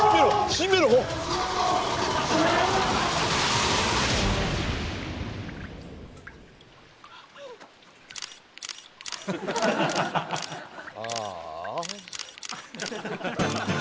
閉めろ？ああ。